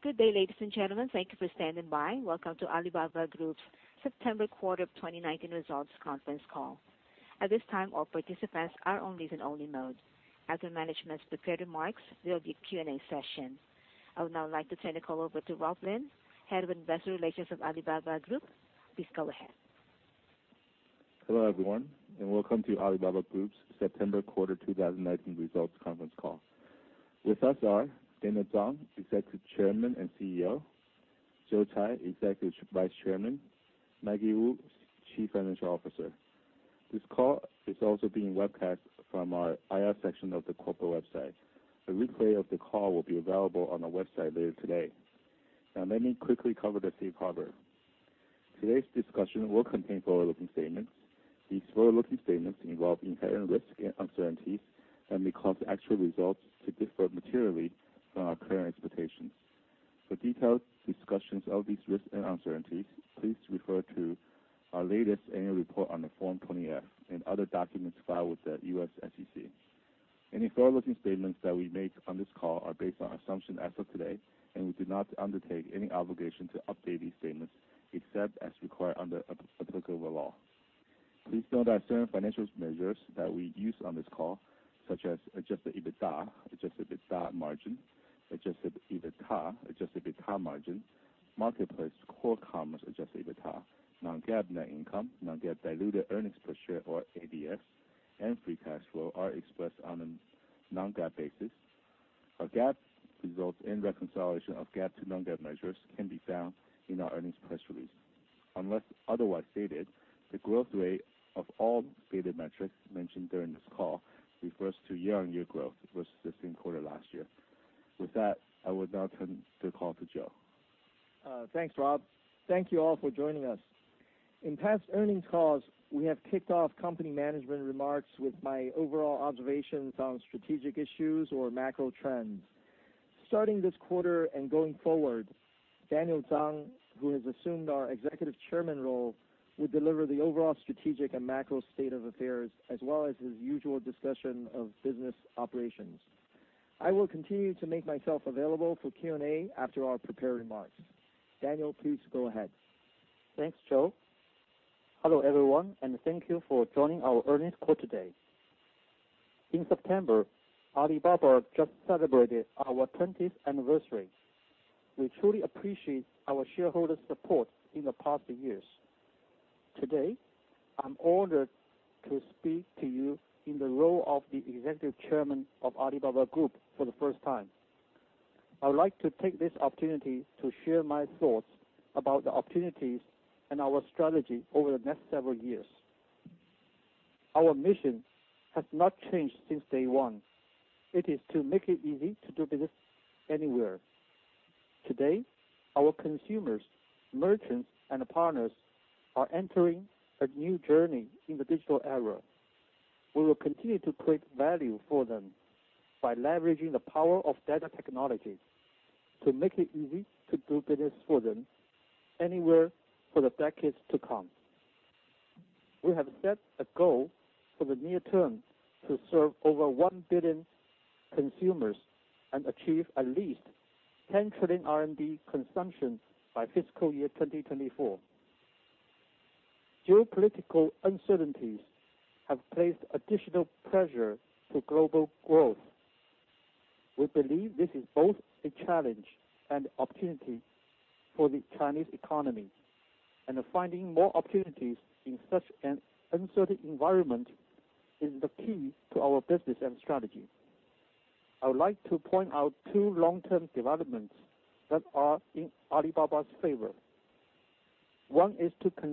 Good day, ladies and gentlemen. Thank you for standing by. Welcome to Alibaba Group's September quarter of 2019 results conference call. At this time, all participants are on listen-only mode. After management's prepared remarks, there'll be a Q&A session. I would now like to turn the call over to Rob Lin, Head of Investor Relations of Alibaba Group. Please go ahead. Hello, everyone, and welcome to Alibaba Group's September quarter 2019 results conference call. With us are Daniel Zhang, Executive Chairman and CEO, Joe Tsai, Executive Vice Chairman, Maggie Wu, Chief Financial Officer. This call is also being webcast from our IR section of the corporate website. A replay of the call will be available on our website later today. Let me quickly cover the safe harbor. Today's discussion will contain forward-looking statements. These forward-looking statements involve inherent risks and uncertainties and may cause actual results to differ materially from our current expectations. For detailed discussions of these risks and uncertainties, please refer to our latest annual report on the Form 20-F and other documents filed with the U.S. SEC. Any forward-looking statements that we make on this call are based on assumptions as of today, and we do not undertake any obligation to update these statements except as required under applicable law. Please note that certain financial measures that we use on this call, such as adjusted EBITDA, adjusted EBITDA margin, marketplace core commerce adjusted EBITDA, non-GAAP net income, non-GAAP diluted earnings per share or ADS, and free cash flow are expressed on a non-GAAP basis. Our GAAP results and reconciliation of GAAP to non-GAAP measures can be found in our earnings press release. Unless otherwise stated, the growth rate of all data metrics mentioned during this call refers to year-on-year growth versus the same quarter last year. With that, I would now turn the call to Joe. Thanks, Rob. Thank you all for joining us. In past earnings calls, we have kicked off company management remarks with my overall observations on strategic issues or macro trends. Starting this quarter and going forward, Daniel Zhang, who has assumed our Executive Chairman role, will deliver the overall strategic and macro state of affairs as well as his usual discussion of business operations. I will continue to make myself available for Q&A after our prepared remarks. Daniel, please go ahead. Thanks, Joe. Hello, everyone, and thank you for joining our earnings call today. In September, Alibaba just celebrated our 20th anniversary. We truly appreciate our shareholders' support in the past years. Today, I'm honored to speak to you in the role of the Executive Chairman of Alibaba Group for the first time. I would like to take this opportunity to share my thoughts about the opportunities and our strategy over the next several years. Our mission has not changed since day one. It is to make it easy to do business anywhere. Today, our consumers, merchants, and partners are entering a new journey in the digital era. We will continue to create value for them by leveraging the power of data technology to make it easy to do business for them anywhere for the decades to come. We have set a goal for the near term to serve over 1 billion consumers and achieve at least 10 trillion RMB consumption by FY 2024. Geopolitical uncertainties have placed additional pressure to global growth. We believe this is both a challenge and opportunity for the Chinese economy, finding more opportunities in such an uncertain environment is the key to our business and strategy. I would like to point out two long-term developments that are in Alibaba's favor. One is 2C,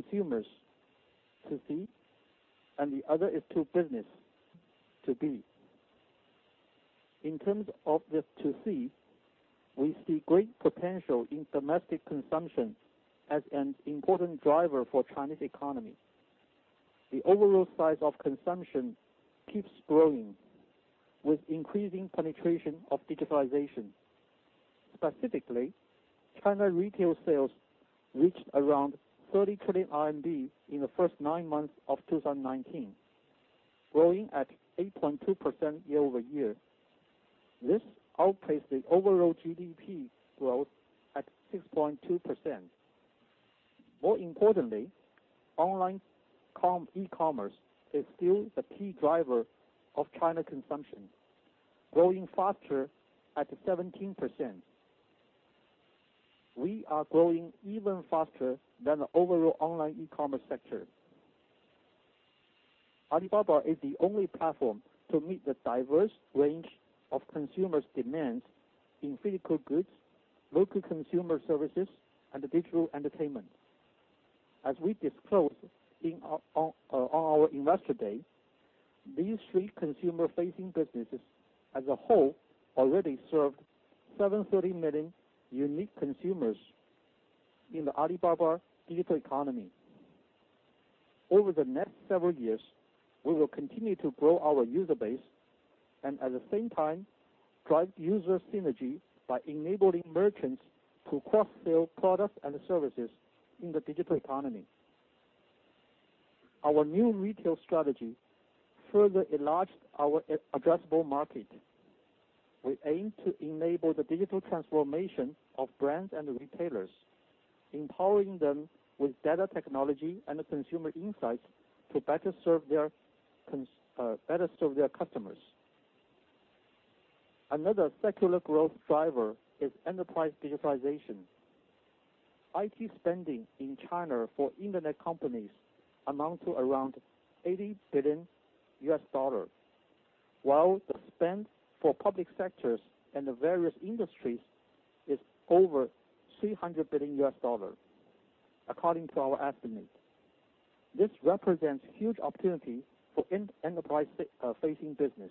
the other is 2B. In terms of this 2C, we see great potential in domestic consumption as an important driver for Chinese economy. The overall size of consumption keeps growing with increasing penetration of digitalization. Specifically, China retail sales reached around 30 trillion RMB in the first nine months of 2019, growing at 8.2% year-over-year. This outpaced the overall GDP growth at 6.2%. More importantly, online e-commerce is still the key driver of China consumption, growing faster at 17%. We are growing even faster than the overall online e-commerce sector. Alibaba is the only platform to meet the diverse range of consumers' demands in physical goods, local consumer services, and digital entertainment. As we disclosed on our Investor Day, these three consumer-facing businesses as a whole already served 730 million unique consumers in the Alibaba digital economy. Over the next several years, we will continue to grow our user base and at the same time drive user synergy by enabling merchants to cross-sell products and services in the digital economy. Our New Retail strategy further enlarged our addressable market. We aim to enable the digital transformation of brands and retailers, empowering them with better technology and consumer insights to better serve their customers. Another secular growth driver is enterprise digitalization. IT spending in China for internet companies amounts to around $80 billion, while the spend for public sectors and the various industries is over $300 billion, according to our estimate. This represents huge opportunity for enterprise-facing business.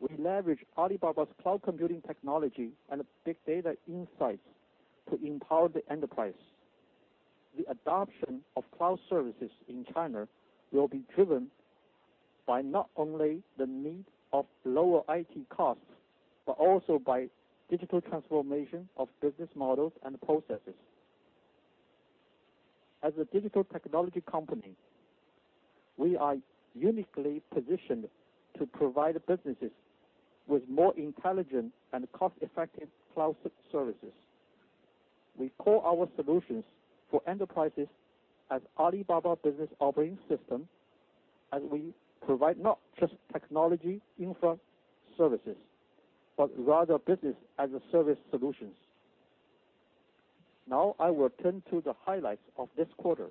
We leverage Alibaba's cloud computing technology and big data insights to empower the enterprise. The adoption of cloud services in China will be driven by not only the need of lower IT costs, but also by digital transformation of business models and processes. As a digital technology company, we are uniquely positioned to provide businesses with more intelligent and cost-effective cloud services. We call our solutions for enterprises as Alibaba Business Operating System, as we provide not just technology infra services, but rather business-as-a-service solutions. I will turn to the highlights of this quarter.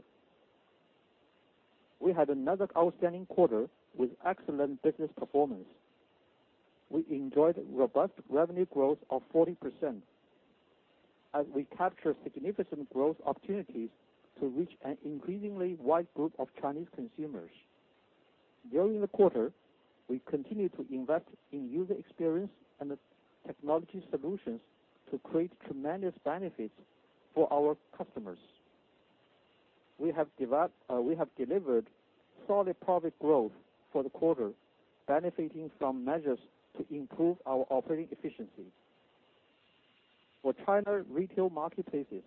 We had another outstanding quarter with excellent business performance. We enjoyed robust revenue growth of 40%, as we capture significant growth opportunities to reach an increasingly wide group of Chinese consumers. During the quarter, we continued to invest in user experience and technology solutions to create tremendous benefits for our customers. We have delivered solid profit growth for the quarter, benefiting from measures to improve our operating efficiency. For China Retail Marketplaces,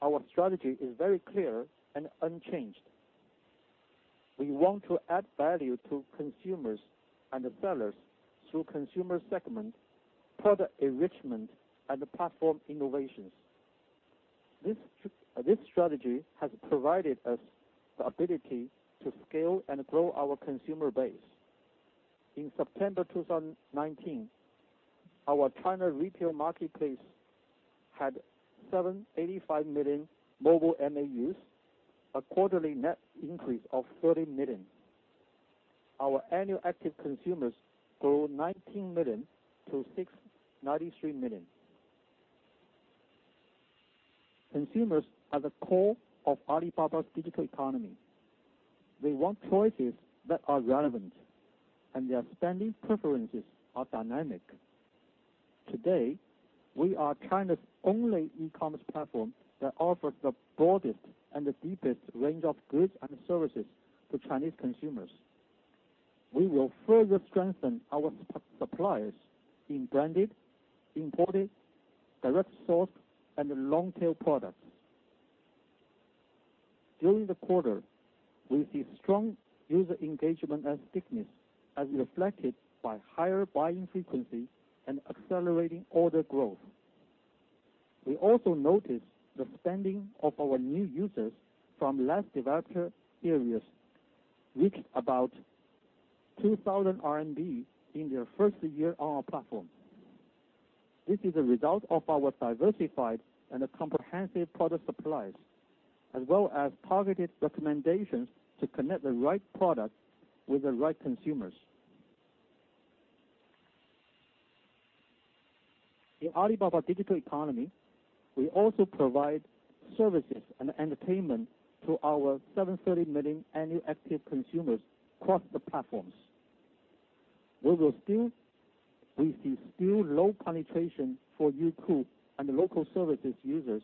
our strategy is very clear and unchanged. We want to add value to consumers and sellers through consumer segment, product enrichment, and platform innovations. This strategy has provided us the ability to scale and grow our consumer base. In September 2019, our China Retail Marketplace had 785 million mobile MAUs, a quarterly net increase of 30 million. Our annual active consumers grew 19 million to 693 million. Consumers are the core of Alibaba's digital economy. They want choices that are relevant, and their spending preferences are dynamic. Today, we are China's only e-commerce platform that offers the broadest and the deepest range of goods and services to Chinese consumers. We will further strengthen our suppliers in branded, imported, direct source, and long-tail products. During the quarter, we see strong user engagement and stickiness as reflected by higher buying frequency and accelerating order growth. We also noticed the spending of our new users from less developed areas, which is about 2,000 RMB in their first year on our platform. This is a result of our diversified and comprehensive product supplies, as well as targeted recommendations to connect the right product with the right consumers. In Alibaba digital economy, we also provide services and entertainment to our 730 million annual active consumers across the platforms. We see still low penetration for Youku and Local Services users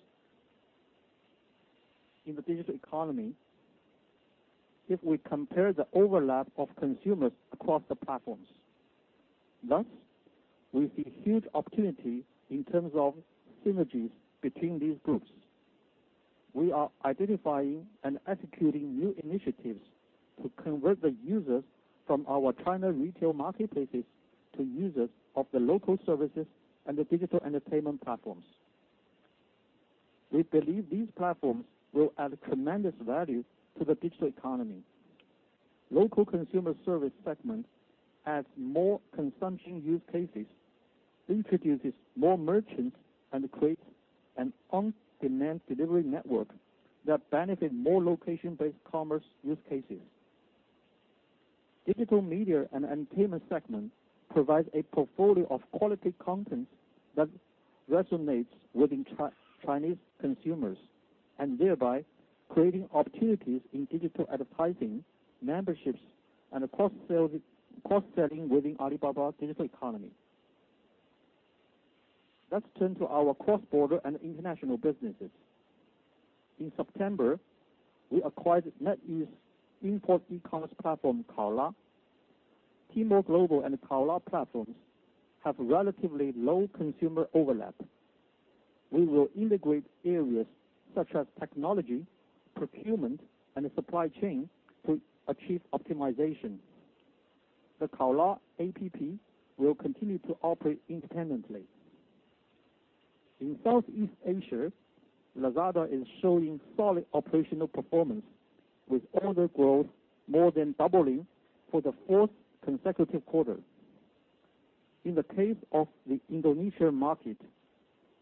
in the digital economy if we compare the overlap of consumers across the platforms. Thus, we see huge opportunity in terms of synergies between these groups. We are identifying and executing new initiatives to convert the users from our China Retail Marketplaces to users of the Local Services and the digital entertainment platforms. We believe these platforms will add tremendous value to the digital economy. Local consumer service segment adds more consumption use cases, introduces more merchants, and creates an on-demand delivery network that benefit more location-based commerce use cases. Digital media and entertainment segment provides a portfolio of quality content that resonates within Chinese consumers, and thereby creating opportunities in digital advertising, memberships, and cross-selling within Alibaba's digital economy. Let's turn to our cross-border and international businesses. In September, we acquired NetEase import e-commerce platform Kaola. Tmall Global and Kaola platforms have relatively low consumer overlap. We will integrate areas such as technology, procurement, and supply chain to achieve optimization. The Kaola app will continue to operate independently. In Southeast Asia, Lazada is showing solid operational performance with order growth more than doubling for the fourth consecutive quarter. In the case of the Indonesian market,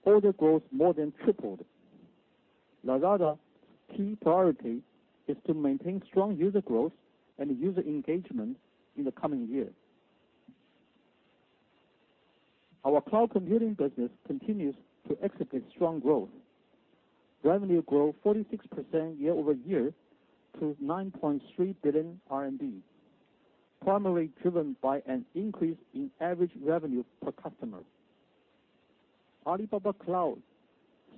order growth more than tripled. Lazada's key priority is to maintain strong user growth and user engagement in the coming year. Our cloud computing business continues to execute strong growth. Revenue grew 46% year-over-year to 9.3 billion RMB, primarily driven by an increase in average revenue per customer. Alibaba Cloud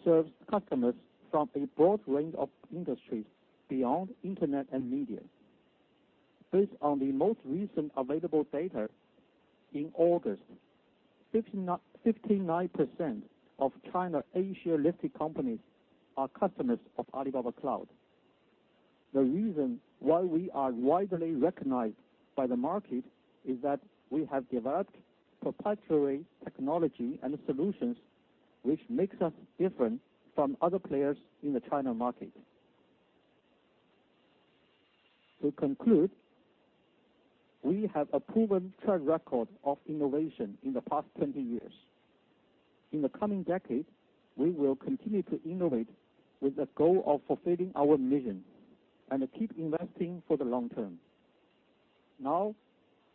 serves customers from a broad range of industries beyond internet and media. Based on the most recent available data in August, 59% of China A-share listed companies are customers of Alibaba Cloud. The reason why we are widely recognized by the market is that we have developed proprietary technology and solutions, which makes us different from other players in the China market. To conclude, we have a proven track record of innovation in the past 20 years. In the coming decade, we will continue to innovate with the goal of fulfilling our mission and keep investing for the long term. Now,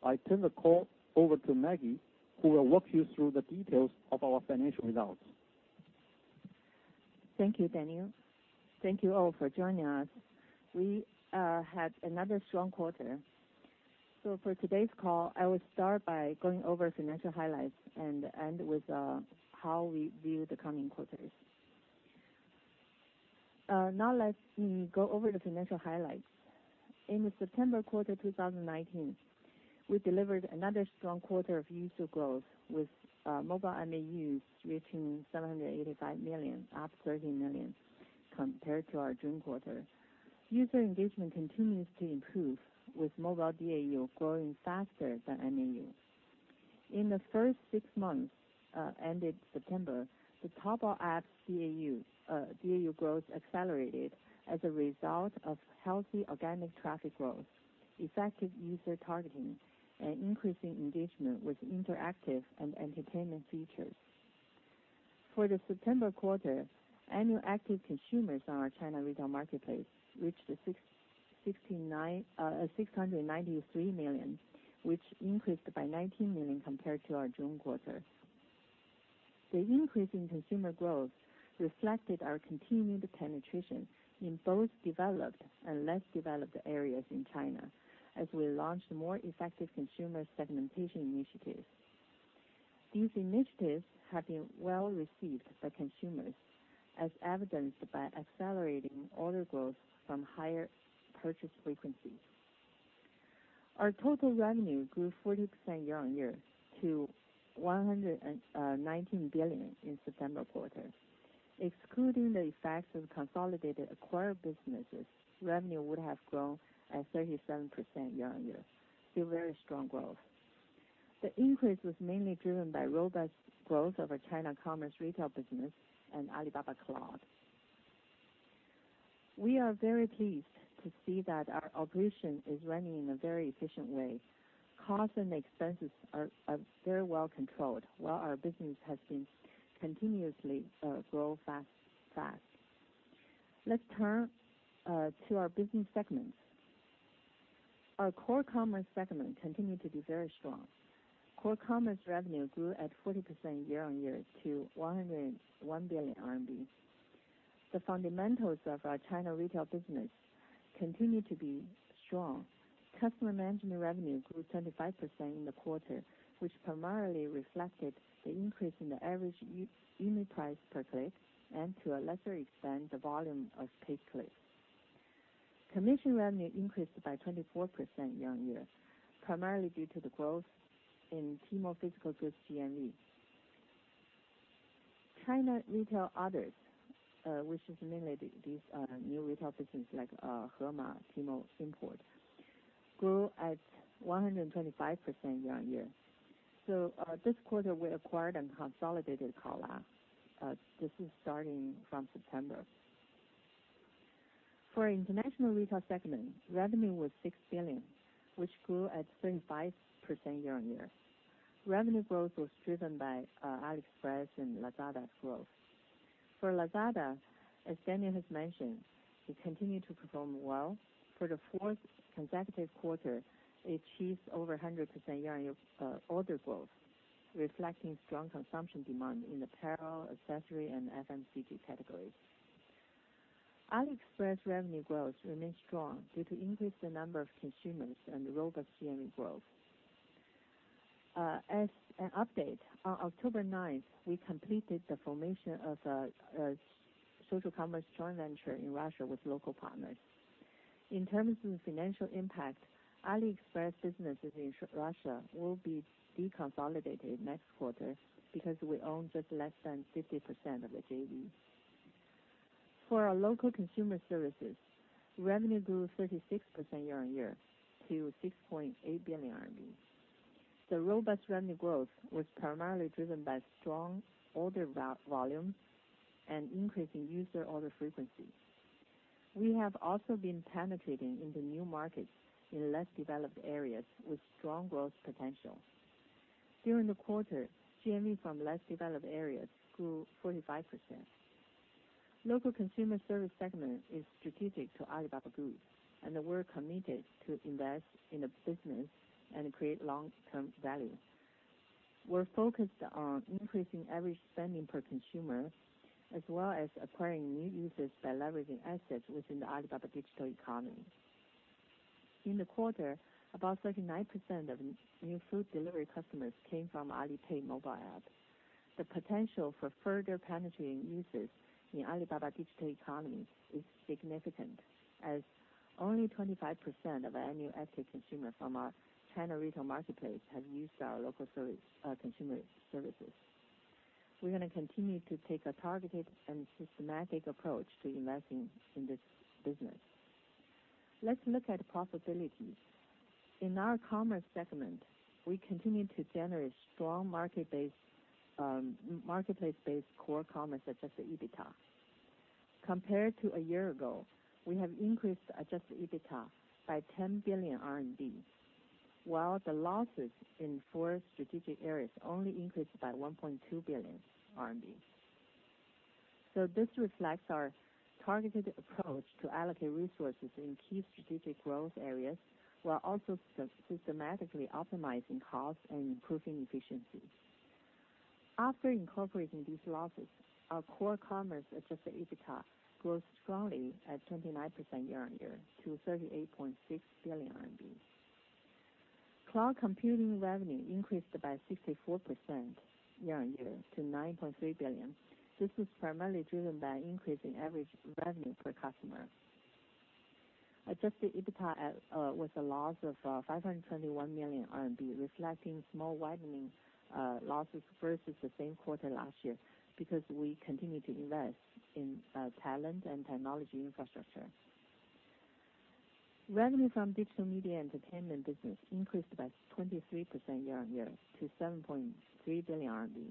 I turn the call over to Maggie, who will walk you through the details of our financial results. Thank you, Daniel. Thank you all for joining us. We had another strong quarter. For today's call, I will start by going over financial highlights and end with how we view the coming quarters. Let me go over the financial highlights. In the September quarter 2019, we delivered another strong quarter of user growth, with mobile MAUs reaching 785 million, up 30 million compared to our June quarter. User engagement continues to improve, with mobile DAU growing faster than MAU. In the first six months ended September, the Taobao app DAU growth accelerated as a result of healthy organic traffic growth, effective user targeting, and increasing engagement with interactive and entertainment features. For the September quarter, annual active consumers on our China retail marketplace reached 693 million, which increased by 19 million compared to our June quarter. The increase in consumer growth reflected our continued penetration in both developed and less developed areas in China, as we launched more effective consumer segmentation initiatives. These initiatives have been well received by consumers, as evidenced by accelerating order growth from higher purchase frequencies. Our total revenue grew 40% year-on-year to 119 billion in the September quarter. Excluding the effects of consolidated acquired businesses, revenue would have grown at 37% year-on-year. Still very strong growth. The increase was mainly driven by robust growth of our China commerce retail business and Alibaba Cloud. We are very pleased to see that our operation is running in a very efficient way. Costs and expenses are very well controlled while our business has been continuously growing fast. Let's turn to our business segments. Our Core Commerce segment continued to be very strong. Core Commerce revenue grew at 40% year-on-year to 101 billion RMB. The fundamentals of our China retail business continue to be strong. Customer management revenue grew 25% in the quarter, which primarily reflected the increase in the average unit price per click and, to a lesser extent, the volume of paid clicks. Commission revenue increased by 24% year-on-year, primarily due to the growth in Tmall physical goods GMV. China retail others, which is mainly these new retail businesses like Hema, Tmall Import, grew at 125% year-on-year. This quarter we acquired and consolidated Kaola. This is starting from September. For our international retail segment, revenue was 6 billion, which grew at 35% year-on-year. Revenue growth was driven by AliExpress and Lazada's growth. For Lazada, as Daniel has mentioned, it continued to perform well. For the fourth consecutive quarter, it achieved over 100% year-on-year order growth, reflecting strong consumption demand in apparel, accessory, and FMCG categories. AliExpress revenue growth remains strong due to increased the number of consumers and robust GMV growth. As an update, on October 9th, we completed the formation of a social commerce joint venture in Russia with local partners. In terms of the financial impact, AliExpress businesses in Russia will be deconsolidated next quarter because we own just less than 50% of the JV. For our local consumer services, revenue grew 36% year-on-year to 6.8 billion RMB. The robust revenue growth was primarily driven by strong order volume and increasing user order frequency. We have also been penetrating into new markets in less developed areas with strong growth potential. During the quarter, GMV from less developed areas grew 45%. Local consumer service segment is strategic to Alibaba Group, and we're committed to invest in the business and create long-term value. We're focused on increasing average spending per consumer, as well as acquiring new users by leveraging assets within the Alibaba digital economy. In the quarter, about 39% of new food delivery customers came from Alipay mobile app. The potential for further penetrating users in Alibaba digital economy is significant, as only 25% of our annual active consumer from our China retail marketplace have used our local consumer services. We're going to continue to take a targeted and systematic approach to investing in this business. Let's look at profitability. In our commerce segment, we continue to generate strong marketplace-based core commerce adjusted EBITDA. Compared to a year ago, we have increased adjusted EBITDA by 10 billion RMB, while the losses in four strategic areas only increased by 1.2 billion RMB. This reflects our targeted approach to allocate resources in key strategic growth areas, while also systematically optimizing costs and improving efficiency. After incorporating these losses, our core commerce adjusted EBITDA grew strongly at 29% year-on-year to 38.6 billion RMB. Cloud Computing revenue increased by 64% year-on-year to 9.3 billion. This is primarily driven by increase in average revenue per customer. Adjusted EBITDA was a loss of 521 million RMB, reflecting small widening losses versus the same quarter last year because we continue to invest in talent and technology infrastructure. Revenue from Digital Media Entertainment business increased by 23% year-on-year to 7.3 billion RMB.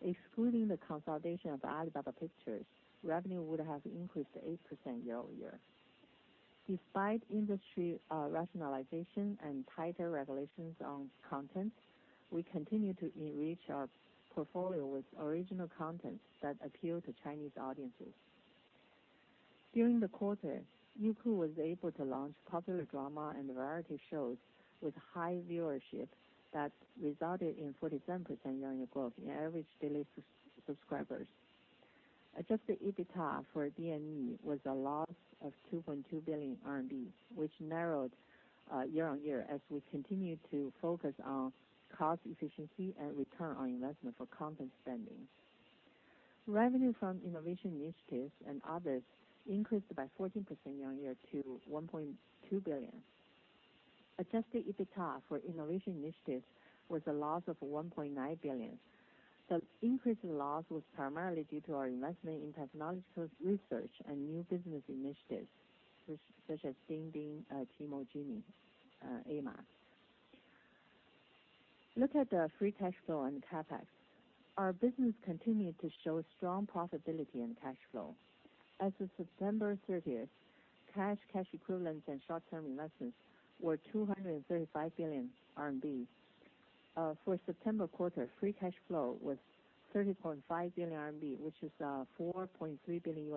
Excluding the consolidation of Alibaba Pictures, revenue would have increased 8% year-over-year. Despite industry rationalization and tighter regulations on content, we continue to enrich our portfolio with original content that appeal to Chinese audiences. During the quarter, Youku was able to launch popular drama and variety shows with high viewership that resulted in 47% year-on-year growth in average daily subscribers. Adjusted EBITDA for DME was a loss of 2.2 billion RMB, which narrowed year-on-year as we continue to focus on cost efficiency and ROI for content spending. Revenue from innovation initiatives and others increased by 14% year-on-year to 1.2 billion. Adjusted EBITDA for innovation initiatives was a loss of 1.9 billion. The increase in loss was primarily due to our investment in technological research and new business initiatives, such as DingTalk, Tmall, AliGenie, DAMO Academy. Look at the free cash flow and CapEx. Our business continued to show strong profitability and cash flow. As of September 30th, cash equivalents, and short-term investments were 235 billion RMB. For September quarter, free cash flow was 30.5 billion RMB, which is $4.3 billion,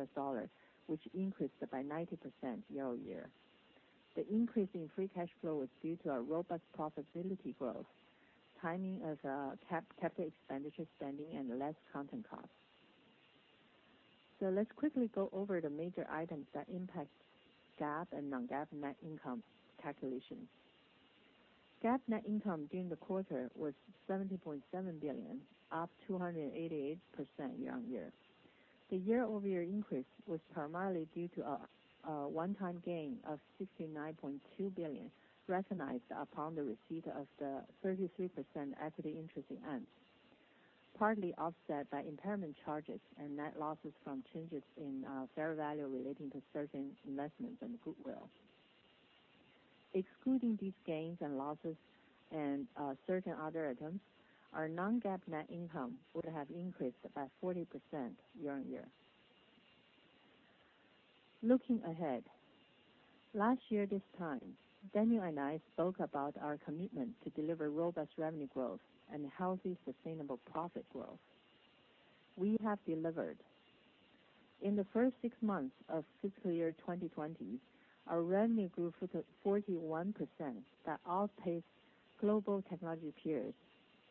which increased by 90% year-over-year. The increase in free cash flow was due to our robust profitability growth, timing of capital expenditure spending, and less content cost. Let's quickly go over the major items that impact GAAP and non-GAAP net income calculation. GAAP net income during the quarter was 70.7 billion, up 288% year-on-year. The year-over-year increase was primarily due to a one-time gain of 69.2 billion recognized upon the receipt of the 33% equity interest in Ant, partly offset by impairment charges and net losses from changes in fair value relating to certain investments in goodwill. Excluding these gains and losses and certain other items, our non-GAAP net income would have increased by 40% year-on-year. Looking ahead. Last year this time, Daniel and I spoke about our commitment to deliver robust revenue growth and healthy, sustainable profit growth. We have delivered. In the first six months of fiscal year 2020, our revenue grew 41% that outpaced global technology peers,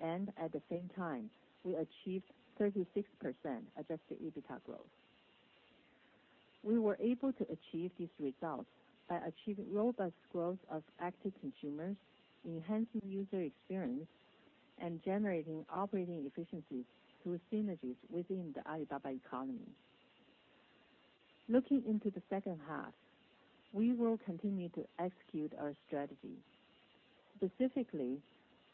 and at the same time, we achieved 36% adjusted EBITDA growth. We were able to achieve these results by achieving robust growth of active consumers, enhancing user experience, and generating operating efficiencies through synergies within the Alibaba economy. Looking into the second half, we will continue to execute our strategy. Specifically,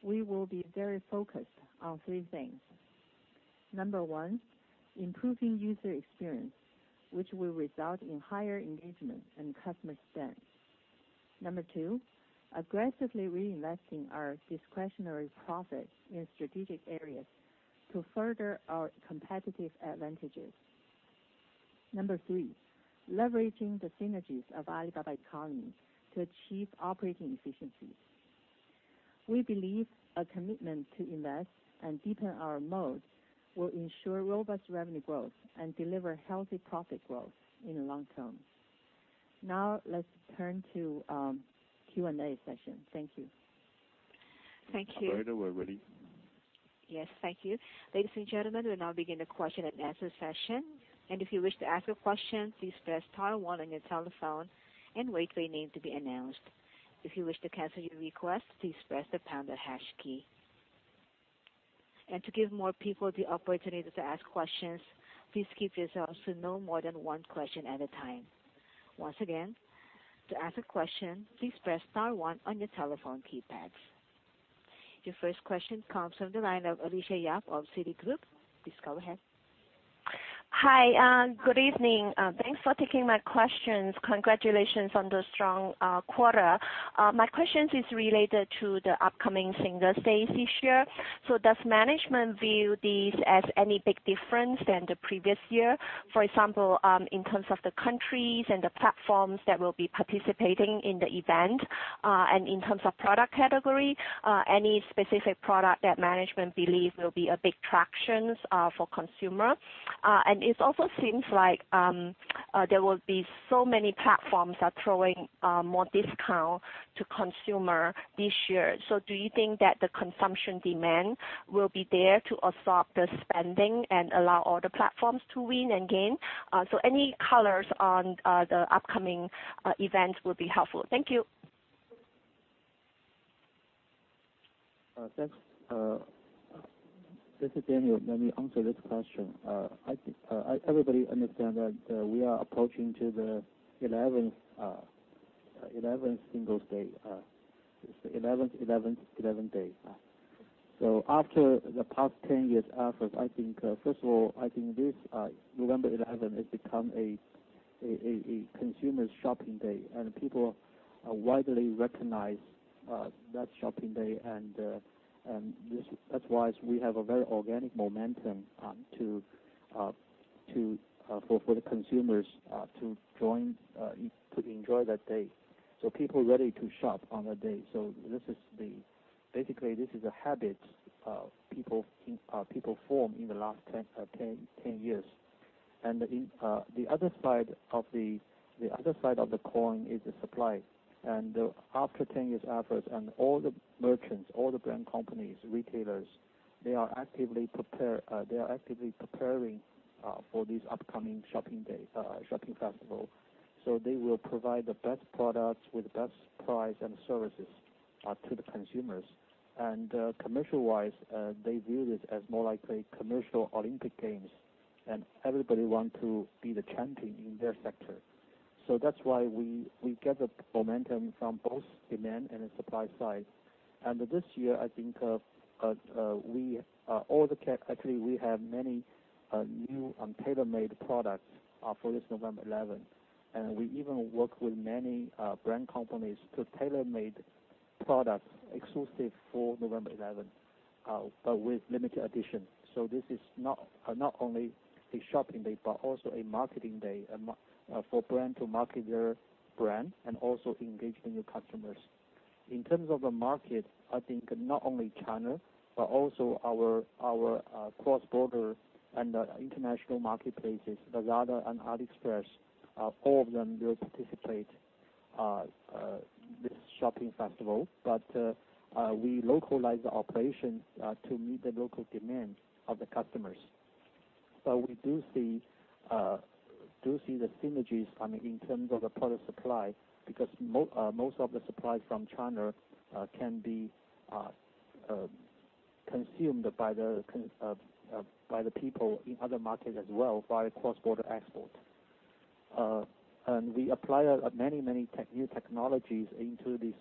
we will be very focused on three things. Number one, improving user experience, which will result in higher engagement and customer spend. Number two, aggressively reinvesting our discretionary profits in strategic areas to further our competitive advantages. Number three, leveraging the synergies of Alibaba economy to achieve operating efficiencies. We believe a commitment to invest and deepen our moat will ensure robust revenue growth and deliver healthy profit growth in the long term. Now let's turn to Q&A session. Thank you. Thank you. Operator, we're ready. Yes, thank you. Ladies and gentlemen, we'll now begin the question and answer session. If you wish to ask a question, please press star one on your telephone and wait for your name to be announced. If you wish to cancel your request, please press the pound or hash key. To give more people the opportunity to ask questions, please keep yourselves to no more than one question at a time. Once again, to ask a question, please press star one on your telephone keypads. Your first question comes from the line of Alicia Yap of Citigroup. Please go ahead. Hi, good evening. Thanks for taking my questions. Congratulations on the strong quarter. My questions is related to the upcoming Singles' Day this year. Does management view this as any big difference than the previous year? For example, in terms of the countries and the platforms that will be participating in the event, and in terms of product category, any specific product that management believes will be a big traction for consumer? It also seems like there will be so many platforms are throwing more discount to consumer this year. Do you think that the consumption demand will be there to absorb the spending and allow all the platforms to win and gain? Any colors on the upcoming events will be helpful. Thank you. Thanks. This is Daniel. Let me answer this question. I think everybody understand that we are approaching to the 11th Singles' Day. It's the 11/11/11 day. After the past 10 years' efforts, first of all, I think this November 11 has become a consumers' shopping day, and people widely recognize that shopping day, and that's why we have a very organic momentum for the consumers to enjoy that day. People are ready to shop on that day. Basically, this is a habit people form in the last 10 years. The other side of the coin is the supply. After 10 years' efforts, and all the merchants, all the brand companies, retailers, they are actively preparing for this upcoming shopping day, shopping festival. They will provide the best products with the best price and services to the consumers. Commercial-wise, they view this as more like a commercial Olympic Games, and everybody want to be the champion in their sector. That's why we get the momentum from both demand and the supply side. This year, actually, we have many new and tailor-made products for this Double 11. We even work with many brand companies to tailor-made products exclusive for Double 11, but with limited edition. This is not only a shopping day, but also a marketing day for brand to market their brand and also engage the new customers. In terms of the market, I think not only China, but also our cross-border and international marketplaces, Lazada and AliExpress, all of them will participate this shopping festival. We localize the operations to meet the local demand of the customers. We do see the synergies in terms of the product supply, because most of the supply from China can be consumed by the people in other markets as well via cross-border export. We apply many new technologies into this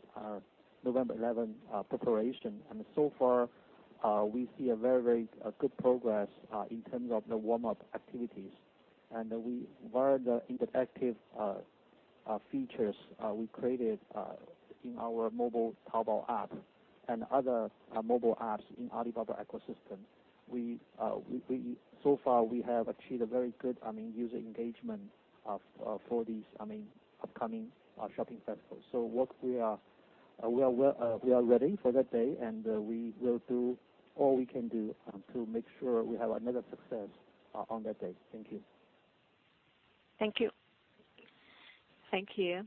Double 11 preparation. So far, we see a very good progress in terms of the warm-up activities. Via the interactive features we created in our mobile Taobao app and other mobile apps in Alibaba ecosystem, so far we have achieved a very good user engagement for this upcoming shopping festival. We are ready for that day, and we will do all we can do to make sure we have another success on that day. Thank you. Thank you. Thank you.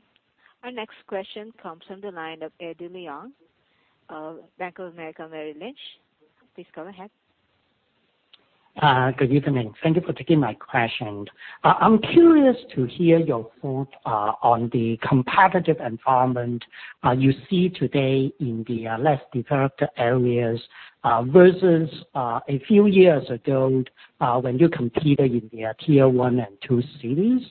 Our next question comes from the line of Eddie Leung, Bank of America Merrill Lynch. Please go ahead. Good evening. Thank you for taking my question. I'm curious to hear your thoughts on the competitive environment you see today in the less-developed areas versus a few years ago, when you competed in the tier 1 and 2 cities.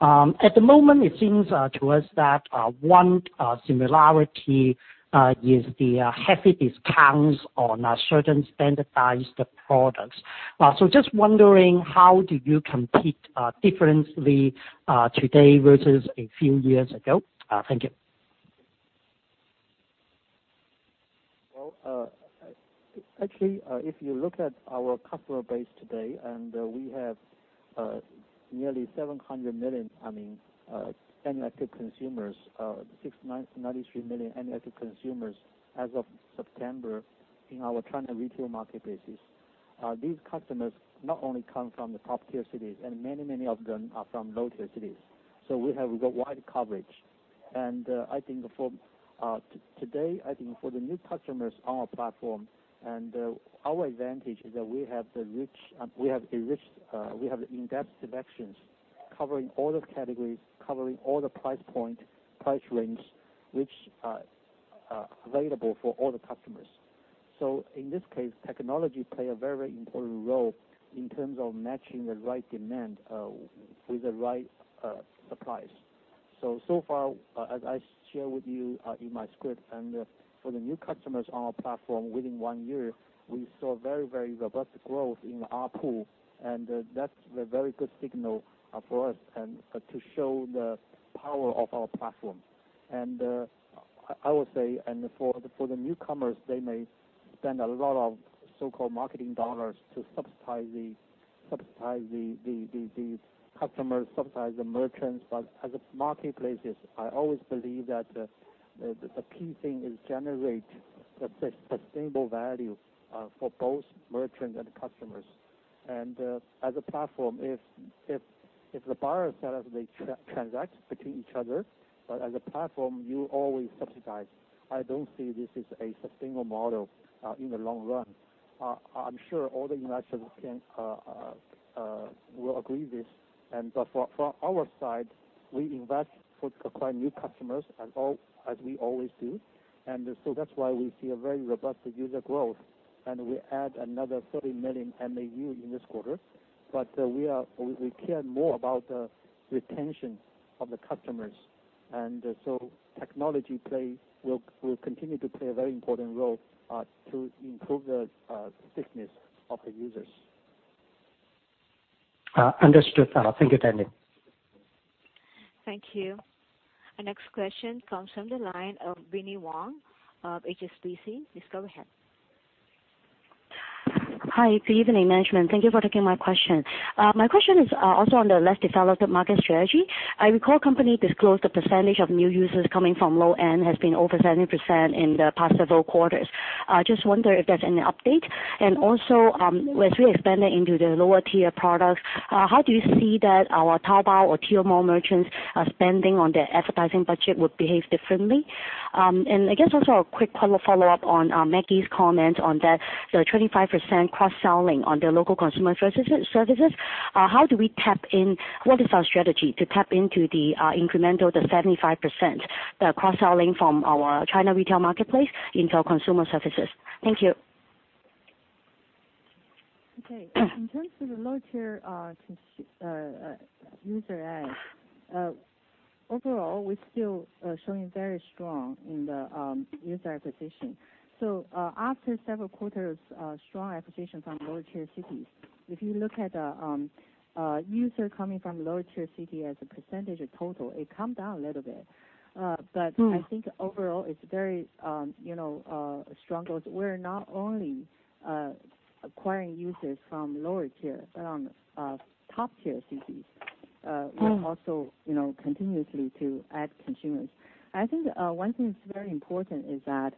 At the moment, it seems to us that one similarity is the heavy discounts on certain standardized products. Just wondering how do you compete differently today versus a few years ago? Thank you. Well, actually, if you look at our customer base today, we have nearly 700 million, I mean, annual active consumers, 693 million annual active consumers as of September in our China retail marketplace. These customers not only come from the top-tier cities, many of them are from low-tier cities. We have wide coverage. I think for today, I think for the new customers on our platform and our advantage is that we have in-depth selections covering all the categories, covering all the price point, price range, which are available for all the customers. In this case, technology play a very important role in terms of matching the right demand with the right supplies. So far, as I share with you in my script, for the new customers on our platform within one year, we saw very robust growth in ARPU, that's a very good signal for us, to show the power of our platform. I would say, for the newcomers, they may spend a lot of so-called marketing dollars to subsidize the customers, subsidize the merchants. As marketplaces, I always believe that the key thing is generate the sustainable value for both merchants and customers. As a platform, if the buyer sellers, they transact between each other, as a platform, you always subsidize. I don't see this is a sustainable model in the long run. I'm sure all the investors will agree this. From our side, we invest for acquiring new customers as we always do. That's why we see a very robust user growth, and we add another 30 million MAU in this quarter. We care more about the retention of the customers. Technology will continue to play a very important role to improve the thickness of the users. Understood. Thank you, Daniel. Thank you. Our next question comes from the line of Binnie Wong of HSBC. Please go ahead. Hi, good evening, management. Thank you for taking my question. My question is also on the less-developed market strategy. I recall company disclosed the percentage of new users coming from low end has been over 70% in the past several quarters. I just wonder if there's any update. Also, as we expand it into the lower tier products, how do you see that our Taobao or Tmall merchants are spending on their advertising budget would behave differently? I guess also a quick follow-up on Maggie's comment on that 25% cross-selling on their local consumer services. How do we tap in? What is our strategy to tap into the incremental, the 75% cross-selling from our China retail marketplace into our consumer services? Thank you. In terms of the lower-tier user add, overall, we're still showing very strong in the user acquisition. After several quarters of strong acquisitions on lower-tier cities, if you look at user coming from lower-tier city as a percentage of total, it come down a little bit. I think overall it's very strong growth. We're not only acquiring users from lower-tier, but on top-tier cities. We also continuously to add consumers. I think one thing that's very important is that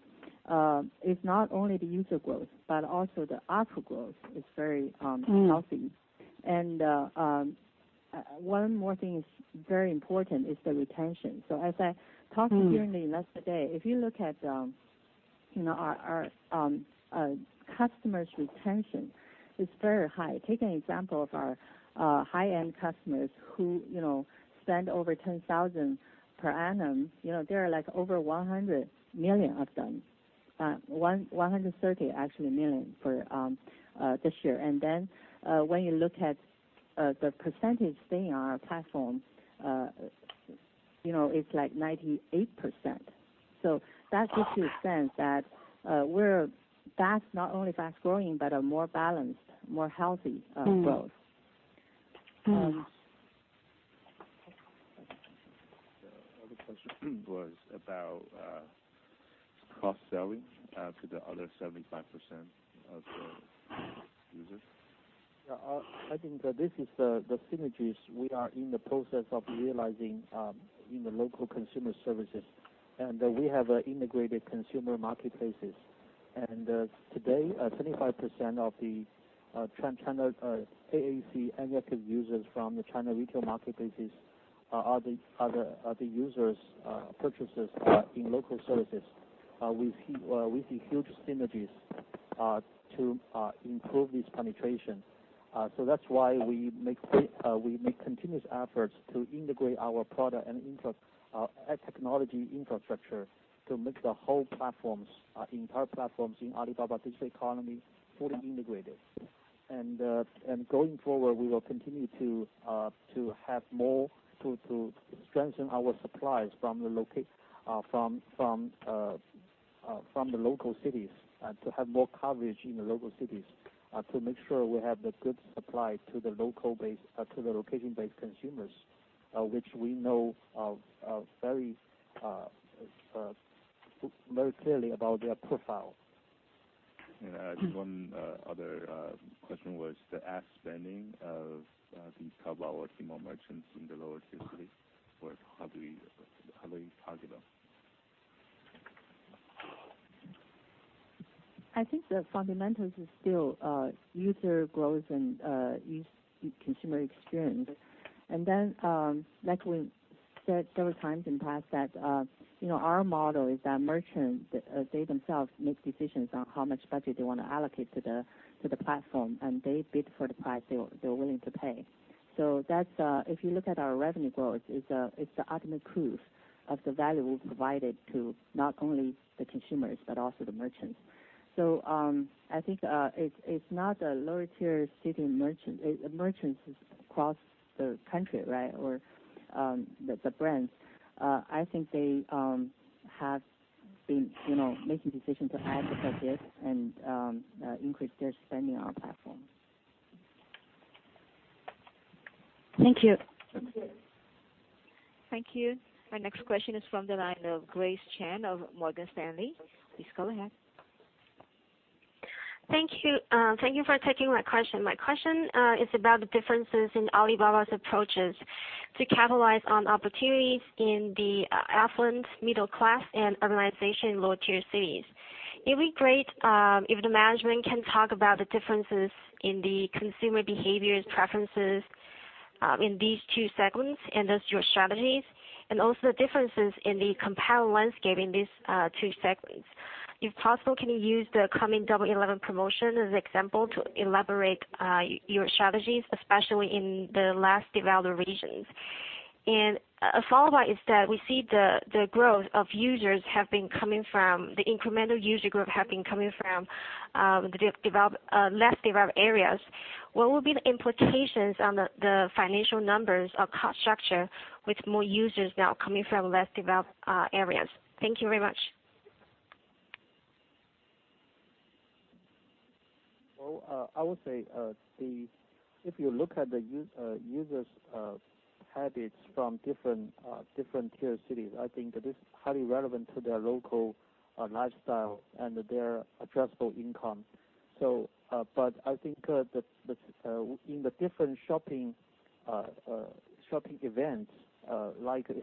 it's not only the user growth, but also the ARPU growth is very healthy. One more thing is very important is the retention. As I talked to you during the last day, if you look at our customers' retention, it's very high. Take an example of our high-end customers who spend over 10,000 per annum. There are over 100 million of them, 130 actually million for this year. When you look at the percentage staying on our platform, it's like 98%. That gives you a sense that we're fast, not only fast-growing, but a more balanced, more healthy growth. The other question was about cross-selling to the other 75% of the users. Yeah. I think this is the synergies we are in the process of realizing in the local consumer services. We have integrated consumer marketplaces. Today, 75% of the China AAC active users from the China retail market bases are the users purchasers in local services. We see huge synergies to improve this penetration. That's why we make continuous efforts to integrate our product and technology infrastructure to make the entire platforms in Alibaba digital economy fully integrated. Going forward, we will continue to strengthen our supplies from the local cities, and to have more coverage in the local cities to make sure we have the good supply to the location-based consumers, which we know very clearly about their profile. Just one other question was the ad spending of these Taobao Tmall merchants in the lower-tier cities, how do you target them? I think the fundamentals is still user growth and consumer experience. Then, like we said several times in the past that our model is that merchants, they themselves make decisions on how much budget they want to allocate to the platform, and they bid for the price they're willing to pay. If you look at our revenue growth, it's the ultimate proof of the value we've provided to not only the consumers but also the merchants. I think it's not a lower-tier city merchant. Merchants is across the country, right? The brands. I think they have been making decisions to add the budget and increase their spending on platform. Thank you. Thank you. My next question is from the line of Grace Chen of Morgan Stanley. Please go ahead. Thank you for taking my question. My question is about the differences in Alibaba's approaches to capitalize on opportunities in the affluent middle class and urbanization in lower-tier cities. It'd be great if the management can talk about the differences in the consumer behaviors, preferences, in these two segments, and thus your strategies, and also the differences in the competitive landscape in these two segments. If possible, can you use the coming Double 11 promotion as an example to elaborate your strategies, especially in the less developed regions? A follow-up is that the incremental user group have been coming from the less developed areas. What will be the implications on the financial numbers or cost structure with more users now coming from less developed areas? Thank you very much. Well, I would say, if you look at the users' habits from different tier cities, I think that it's highly relevant to their local lifestyle and their addressable income. I think in the different shopping events,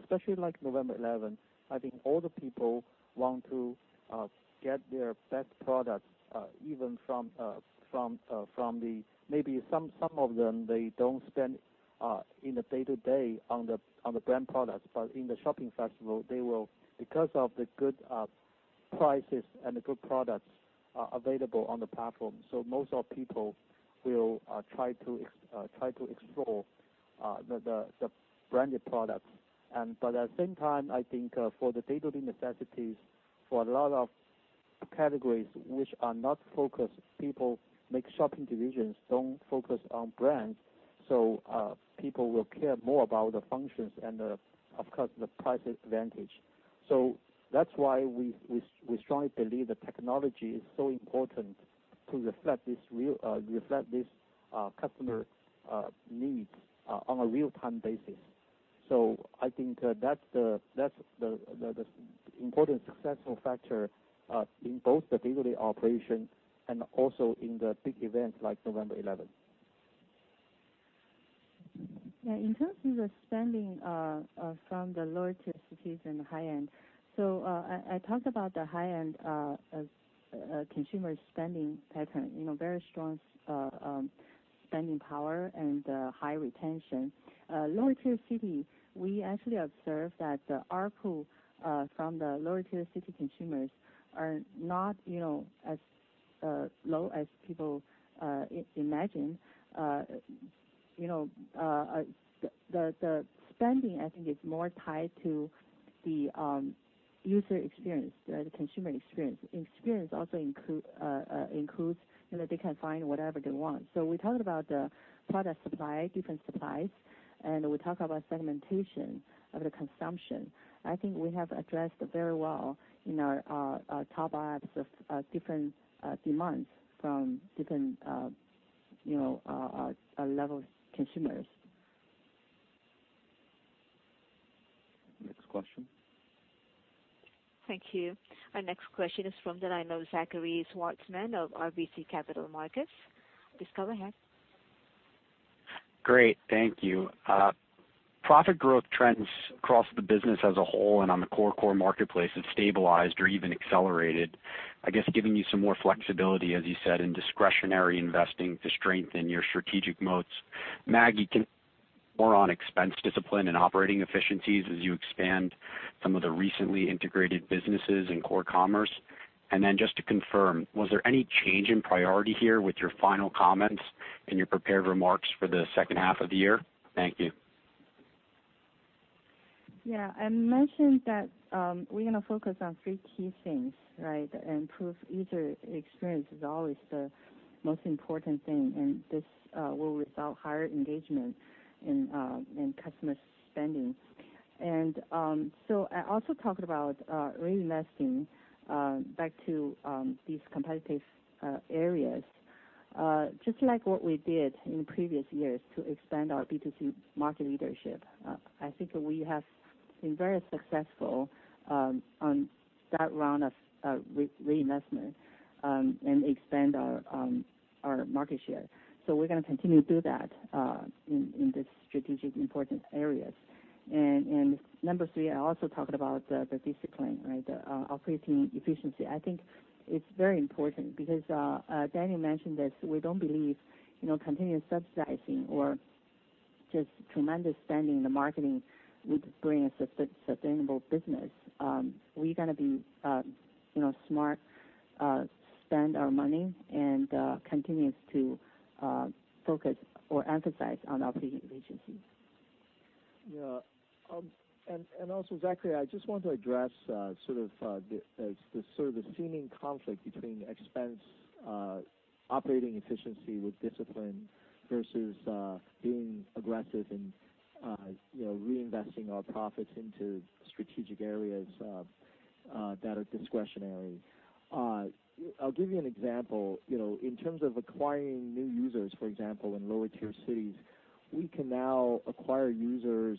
especially like November 11, I think all the people want to get their best products. Maybe some of them, they don't spend in a day-to-day on the brand products. In the shopping festival, because of the good prices and the good products available on the platform, so most of people will try to explore the branded products. At the same time, I think for the day-to-day necessities, for a lot of categories which are not focused, people make shopping decisions, don't focus on brands, so people will care more about the functions and of course, the price advantage. That's why we strongly believe that technology is so important to reflect this customer needs on a real-time basis. I think that's the important successful factor in both the day-to-day operation and also in the big events like November 11. Yeah. In terms of the spending from the lower-tier cities and the high-end, I talked about the high-end consumer spending pattern, very strong spending power and high retention. Lower-tier city, we actually observed that the ARPU from the lower-tier city consumers are not as low as people imagine. The spending I think is more tied to the user experience, the consumer experience. Experience also includes they can find whatever they want. We talked about the product supply, different supplies, and we talked about segmentation of the consumption. I think we have addressed very well in our top apps of different demands from different level consumers. Next question. Thank you. Our next question is from the line of Zachary Schwartzman of RBC Capital Markets. Please go ahead. Great. Thank you. Profit growth trends across the business as a whole and on the core marketplace have stabilized or even accelerated, I guess giving you some more flexibility, as you said, in discretionary investing to strengthen your strategic moats. Maggie, can more on expense discipline and operating efficiencies as you expand some of the recently integrated businesses in core commerce. Then just to confirm, was there any change in priority here with your final comments and your prepared remarks for the second half of the year? Thank you. Yeah. I mentioned that we're going to focus on three key things, right? Improve user experience is always the most important thing, and this will result higher engagement in customer spending. I also talked about reinvesting back to these competitive areas, just like what we did in previous years to expand our B2C market leadership. I think we have been very successful on that round of reinvestment and expand our market share. We're going to continue to do that in the strategic important areas. Number 3, I also talked about the discipline, right? Operating efficiency. I think it's very important because Daniel mentioned this, we don't believe continuous subsidizing or just tremendous spending in the marketing would bring us a sustainable business. We gonna be smart, spend our money, and continuous to focus or emphasize on operating efficiencies. Also, Zachary, I just want to address the seeming conflict between expense operating efficiency with discipline versus being aggressive and reinvesting our profits into strategic areas that are discretionary. I'll give you an example. In terms of acquiring new users, for example, in lower tier cities, we can now acquire users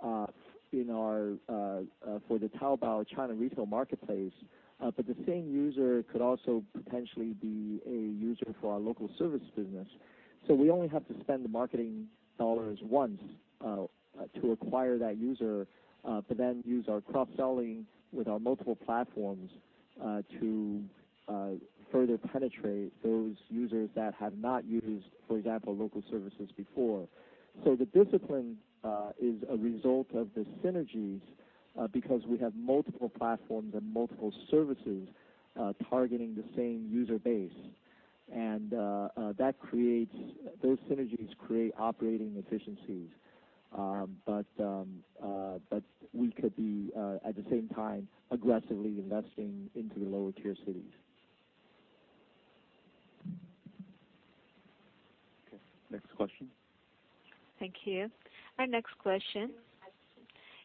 for the Taobao China retail marketplace. The same user could also potentially be a user for our local service business. We only have to spend the marketing dollars once to acquire that user, to then use our cross-selling with our multiple platforms to further penetrate those users that have not used, for example, local services before. Those synergies create operating efficiencies. We could be at the same time aggressively investing into the lower tier cities. Okay, next question. Thank you. Our next question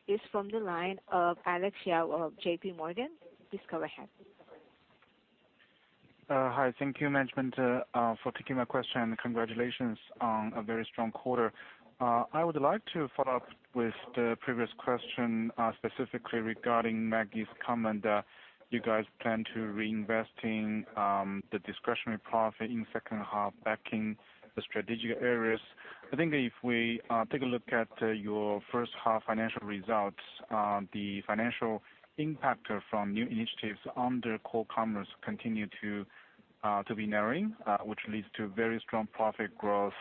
is from the line of Alex Yao of JPMorgan. Please go ahead. Hi. Thank you, management, for taking my question, and congratulations on a very strong quarter. I would like to follow up with the previous question, specifically regarding Maggie's comment, you guys plan to reinvesting the discretionary profit in second half backing the strategic areas. I think if we take a look at your first half financial results, the financial impact from new initiatives under Core Commerce continue to be narrowing, which leads to very strong profit growth.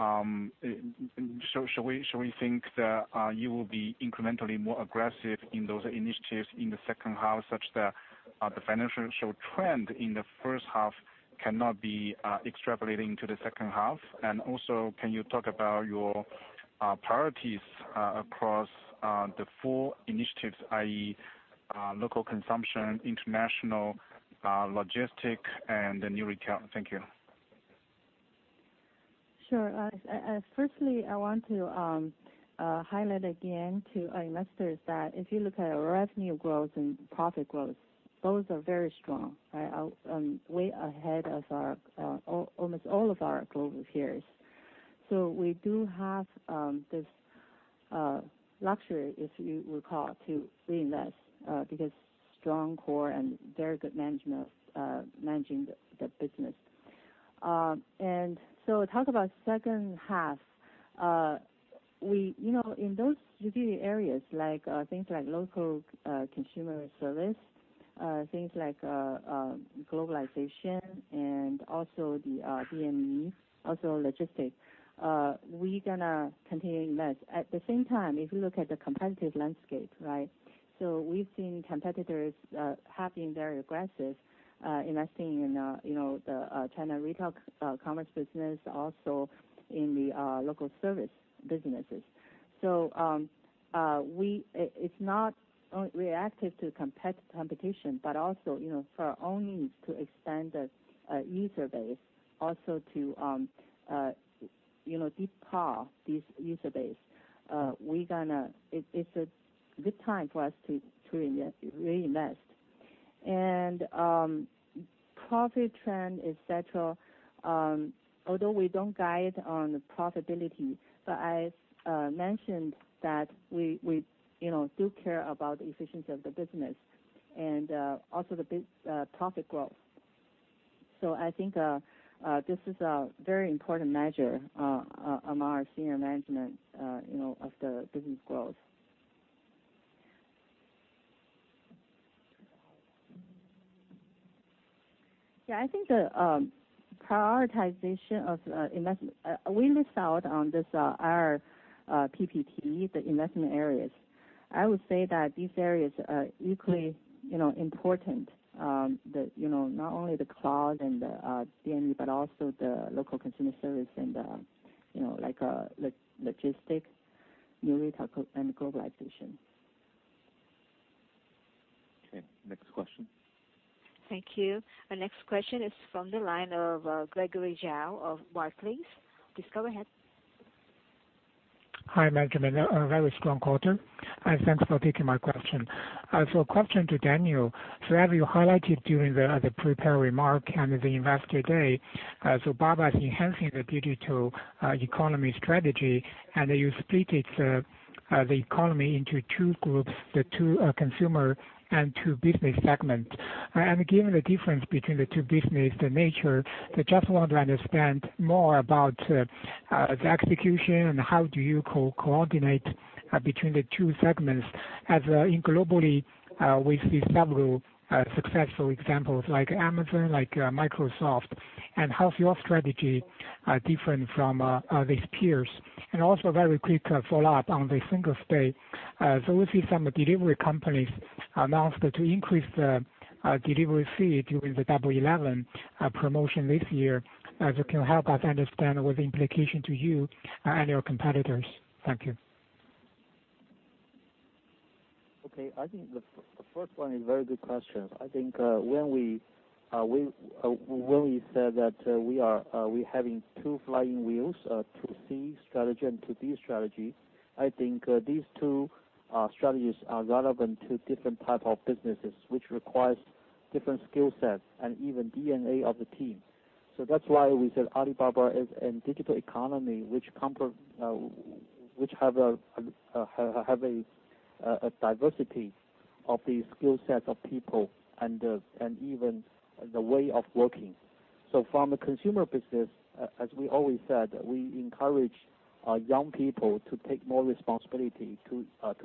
Shall we think that you will be incrementally more aggressive in those initiatives in the second half, such that the financial show trend in the first half cannot be extrapolating to the second half? Also, can you talk about your priorities across the four initiatives, i.e., local consumption, international logistic, and the New Retail? Thank you. Sure, Alex. Firstly, I want to highlight again to investors that if you look at our revenue growth and profit growth, those are very strong, right? Way ahead of almost all of our global peers. We do have this luxury, if you recall, to reinvest because strong core and very good management of the business. Talk about second half. In those strategic areas, things like local consumer service, things like globalization, and also the DME, also logistics, we gonna continue to invest. At the same time, if you look at the competitive landscape, right? We've seen competitors have been very aggressive investing in the China retail commerce business, also in the local service businesses. It's not only reactive to competition, but also for our own needs to expand the user base, also to [deep plow] this user base. It's a good time for us to reinvest. Profit trend, et cetera, although we don't guide on profitability, I mentioned that we do care about the efficiency of the business and also the profit growth. I think this is a very important measure among our senior management of the business growth. Yeah, I think the prioritization of investment. We missed out on this, our PPT, the investment areas. I would say that these areas are equally important. Not only the Cloud and the C2M, but also the local consumer service and the logistics, new retail, and globalization. Okay. Next question. Thank you. Our next question is from the line of Gregory Zhao of Barclays. Please go ahead. Hi, management. A very strong quarter, and thanks for taking my question. A question to Daniel. As you highlighted during the prepared remark and the investor day, Baba is enhancing the digital economy strategy, and you split the economy into two groups, the two consumer and two business segments. Given the difference between the two business, the nature, I just want to understand more about the execution and how do you coordinate between the two segments, as in globally, we see several successful examples like Amazon, like Microsoft, and how is your strategy different from these peers? Also very quick follow-up on the Singles' Day. We see some delivery companies announced to increase the delivery fee during the Double 11 promotion this year. If you can help us understand what the implication to you and your competitors. Thank you. I think the first one is a very good question. I think when we said that we're having two flying wheels, a 2C strategy and 2B strategy. I think these two strategies are relevant to different type of businesses, which requires different skill sets and even DNA of the team. That's why we said Alibaba is in digital economy, which have a diversity of the skill sets of people and even the way of working. From a consumer business, as we always said, we encourage young people to take more responsibility to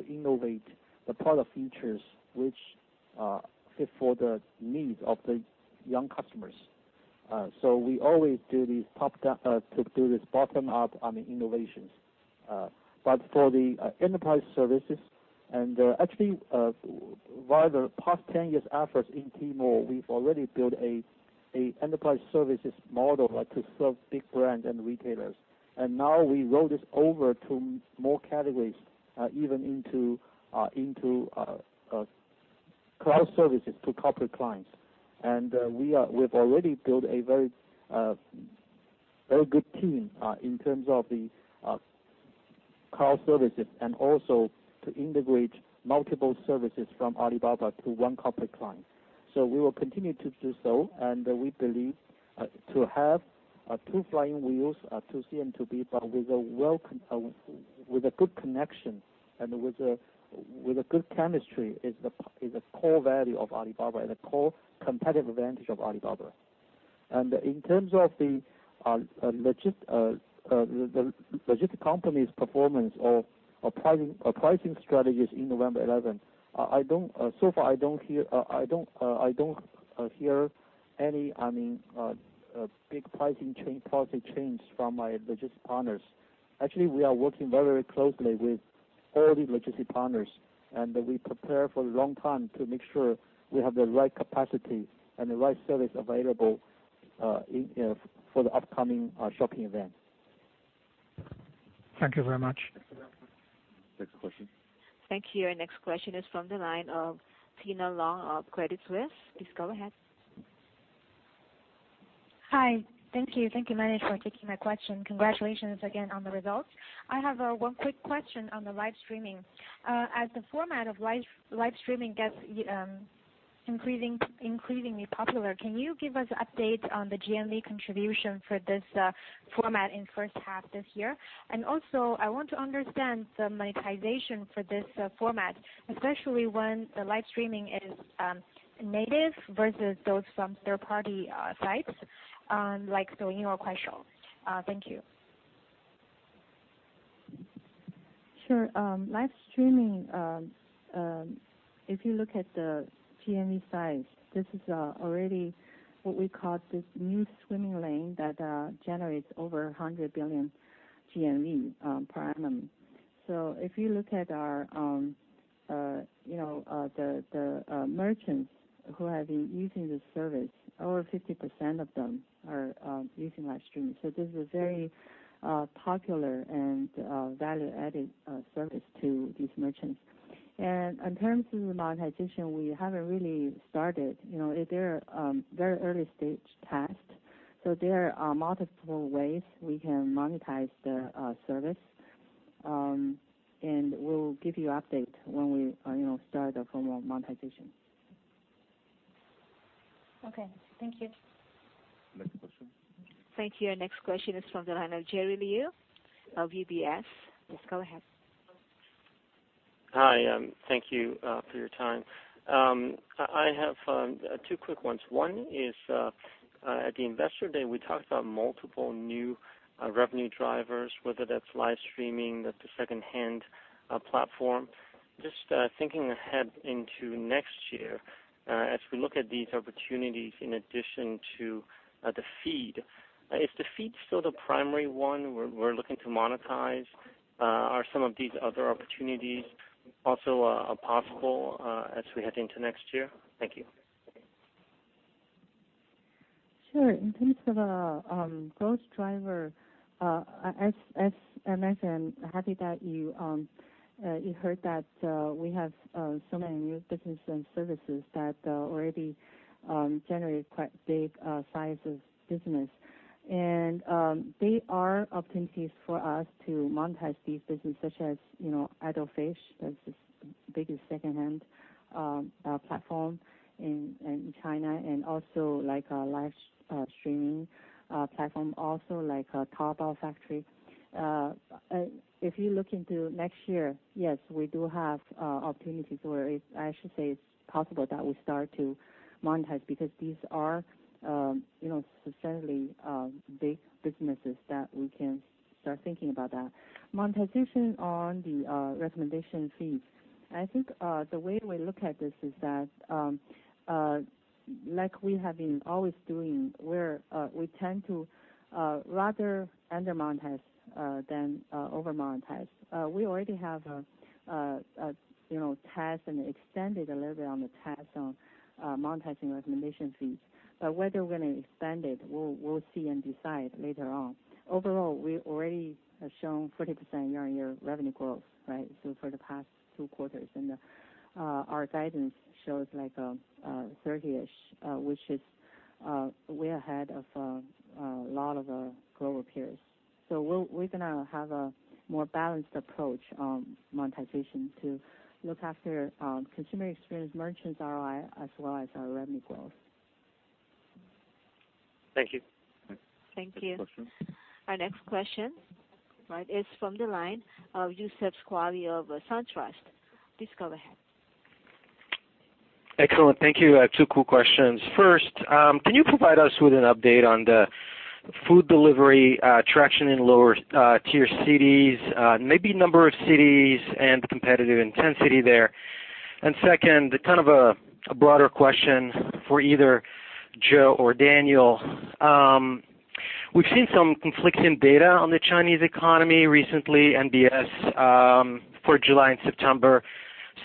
innovate the product features which fit for the needs of the young customers. We always do this bottom up on the innovations. For the enterprise services, and actually, via the past 10 years efforts in Tmall, we've already built a enterprise services model to serve big brand and retailers. Now we roll this over to more categories, even into cloud services to corporate clients. We've already built a very good team in terms of the cloud services and also to integrate multiple services from Alibaba to one corporate client. We will continue to do so, and we believe to have two flying wheels, a 2C and 2B, but with a good connection and with a good chemistry is the core value of Alibaba, is the core competitive advantage of Alibaba. In terms of the logistic company's performance or pricing strategies in November 11th, so far I don't hear any big pricing policy change from my logistic partners. Actually, we are working very closely with all the logistic partners, and we prepare for a long time to make sure we have the right capacity and the right service available for the upcoming shopping event. Thank you very much. Next question. Thank you. Our next question is from the line of Tina Long of Credit Suisse. Please go ahead. Hi. Thank you. Thank you very much for taking my question. Congratulations again on the results. I have one quick question on the live streaming. As the format of live streaming gets increasingly popular, can you give us updates on the GMV contribution for this format in first half this year? Also, I want to understand the monetization for this format, especially when the live streaming is native versus those from third-party sites, like Douyin or Kuaishou. Thank you. Sure. Live streaming, if you look at the GMV size, this is already what we call this new swimming lane that generates over 100 billion GMV per annum. If you look at the merchants who have been using this service, over 50% of them are using live streaming. This is very popular and value-added service to these merchants. In terms of the monetization, we haven't really started. They're very early-stage tests. There are multiple ways we can monetize the service. We'll give you update when we start the formal monetization. Okay. Thank you. Next question. Thank you. Our next question is from the line of Jerry Liu of UBS. Yes, go ahead. Hi. Thank you for your time. I have two quick ones. One is, at the investor day, we talked about multiple new revenue drivers, whether that's live streaming, the secondhand platform. Just thinking ahead into next year, as we look at these opportunities in addition to the feed. Is the feed still the primary one we're looking to monetize? Are some of these other opportunities also possible as we head into next year? Thank you. Sure. In terms of growth driver, as I mentioned, happy that you heard that we have so many new business and services that already generate quite big size of business. They are opportunities for us to monetize these business such as Idle Fish, that's the biggest secondhand platform in China, and also like a live streaming platform, also like Tao Factory. If you look into next year, yes, we do have opportunities where, I should say it's possible that we start to monetize because these are substantially big businesses that we can start thinking about that. Monetization on the recommendation fees. I think the way we look at this is that, like we have been always doing, where we tend to rather undermonetize than overmonetize. We already have a test and extended a little bit on the test on monetizing recommendation fees. Whether we're going to expand it, we'll see and decide later on. Overall, we already have shown 40% year-on-year revenue growth, right? For the past two quarters, and our guidance shows like a 30-ish, which is way ahead of a lot of our global peers. We're going to have a more balanced approach on monetization to look after consumer experience, merchants ROI, as well as our revenue growth. Thank you. Thank you. Next question. Our next question is from the line of Youssef Squali of SunTrust. Please go ahead. Excellent. Thank you. I have two quick questions. Can you provide us with an update on the food delivery traction in lower tier cities, maybe number of cities and the competitive intensity there? The kind of a broader question for either Joe or Daniel. We've seen some conflicting data on the Chinese economy recently, NBS, for July and September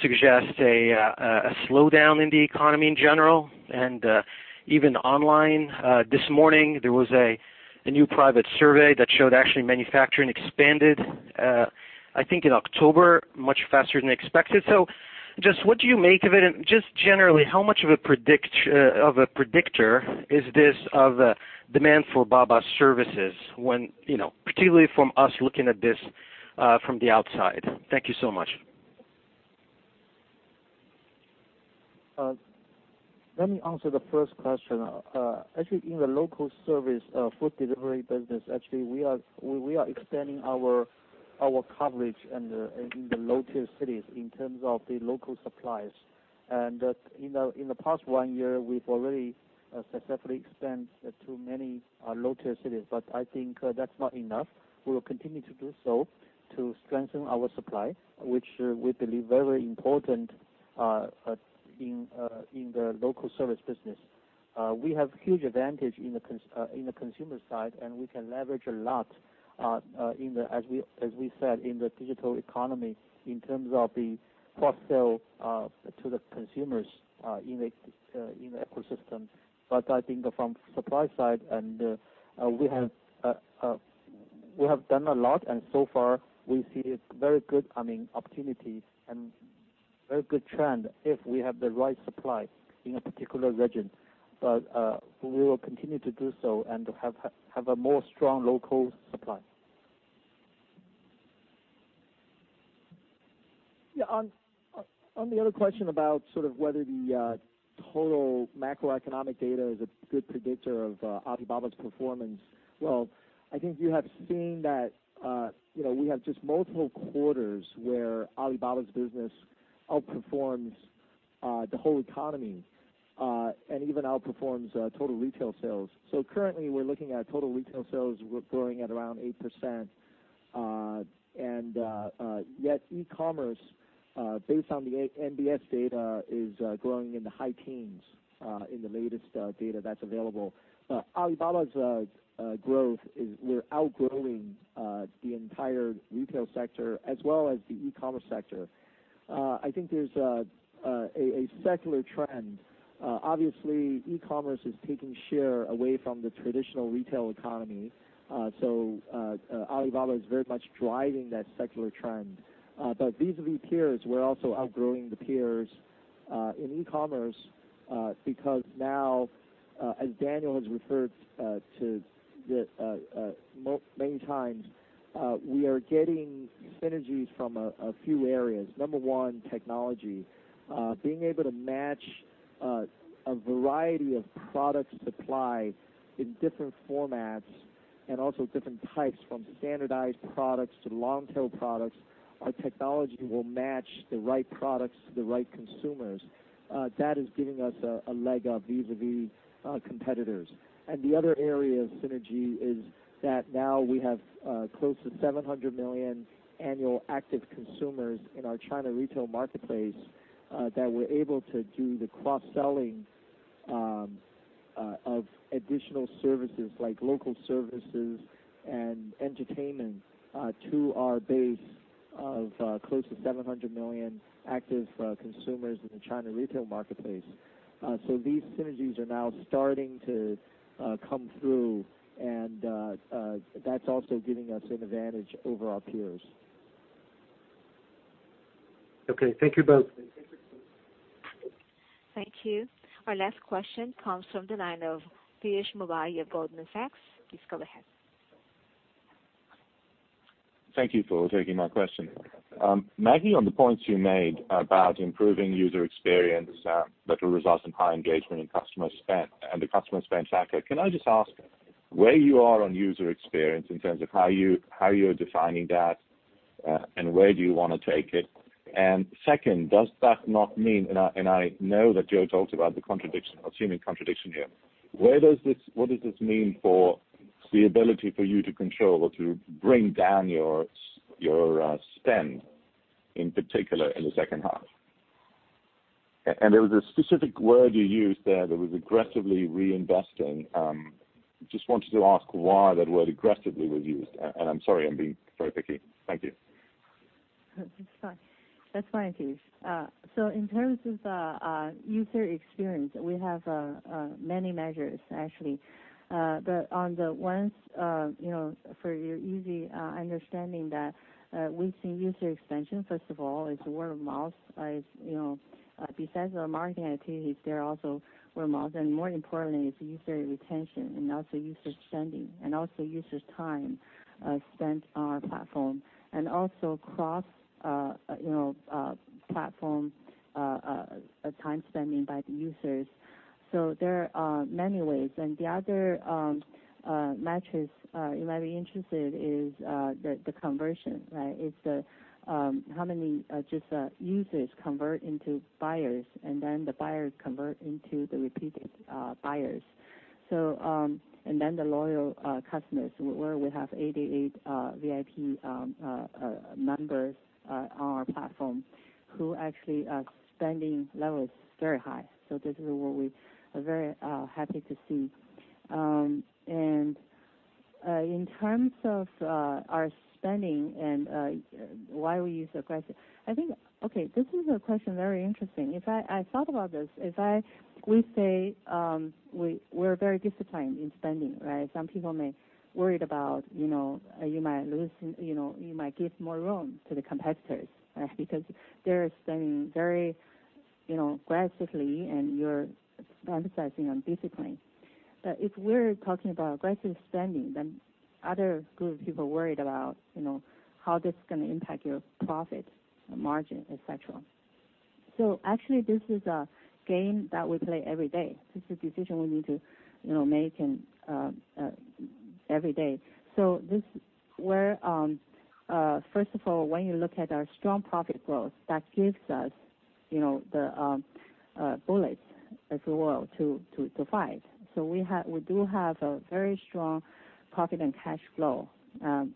suggests a slowdown in the economy in general and even online. This morning, there was a new private survey that showed actually manufacturing expanded, I think, in October, much faster than expected. What do you make of it? Generally, how much of a predictor is this of demand for Baba services when, particularly from us looking at this from the outside? Thank you so much. Let me answer the first question. In the local service food delivery business, we are extending our coverage in the low-tier cities in terms of the local supplies. In the past one year, we've already successfully expanded to many low-tier cities. I think that's not enough. We will continue to do so to strengthen our supply, which we believe very important, in the local service business. We have huge advantage in the consumer side, we can leverage a lot, as we said, in the digital economy in terms of the cross-sell to the consumers in the ecosystem. I think from supply side, we have done a lot, and so far we see it very good, I mean, opportunities and very good trend if we have the right supply in a particular region. We will continue to do so and have a more strong local supply. On the other question about sort of whether the total macroeconomic data is a good predictor of Alibaba's performance. Well, I think you have seen that we have just multiple quarters where Alibaba's business outperforms the whole economy, and even outperforms total retail sales. Currently, we're looking at total retail sales growing at around 8%, and yet e-commerce, based on the NBS data, is growing in the high teens, in the latest data that's available. We're outgrowing the entire retail sector as well as the e-commerce sector. I think there's a secular trend. Obviously, e-commerce is taking share away from the traditional retail economy. Alibaba is very much driving that secular trend. Vis-à-vis peers, we're also outgrowing the peers in e-commerce, because now, as Daniel has referred to many times, we are getting synergies from a few areas. Number one, technology. Being able to match a variety of product supply in different formats. Also different types from standardized products to long-tail products. Our technology will match the right products to the right consumers. That is giving us a leg up vis-a-vis competitors. The other area of synergy is that now we have close to 700 million annual active consumers in our China Retail Marketplace, that we're able to do the cross-selling of additional services like local services and entertainment to our base of close to 700 million active consumers in the China Retail Marketplace. These synergies are now starting to come through, and that's also giving us an advantage over our peers. Okay. Thank you both. Thank you. Our last question comes from the line of Piyush Mubayi of Goldman Sachs. Please go ahead. Thank you for taking my question. Maggie, on the points you made about improving user experience that will result in high engagement and the customer spend factor, can I just ask where you are on user experience in terms of how you're defining that, and where do you want to take it? Second, does that not mean, and I know that Joe talked about the contradiction, assuming contradiction here. What does this mean for the ability for you to control or to bring down your spend, in particular, in the second half? There was a specific word you used there that was aggressively reinvesting. Just wanted to ask why that word aggressively was used. I'm sorry I'm being very picky. Thank you. That's fine. That's fine, Piyush. In terms of user experience, we have many measures, actually. On the ones for your easy understanding that we've seen user expansion, first of all, it's word of mouth. Besides our marketing activities, there are also word of mouth. More importantly, it's user retention and also user spending, and also user time spent on our platform. Also cross-platform time spending by the users. There are many ways, the other metrics you might be interested is the conversion. Right? It's the how many just users convert into buyers, the buyers convert into the repeated buyers. The loyal customers, where we have 88VIP members on our platform who actually are spending levels very high. This is what we are very happy to see. In terms of our spending and why we use aggressive. Okay, this is a question, very interesting. I thought about this. If we say we're very disciplined in spending, right? Some people may worry about you might give more room to the competitors, right? They're spending very aggressively, and you're emphasizing on discipline. If we're talking about aggressive spending, then other group of people worry about how this is going to impact your profit margin, et cetera. Actually, this is a game that we play every day. This is a decision we need to make every day. First of all, when you look at our strong profit growth, that gives us the bullets, if you will, to fight. We do have a very strong profit and cash flow to